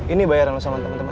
ini bayaran sama temen temen